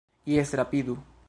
Jes, rapidu